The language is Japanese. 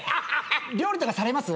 料理とかされます？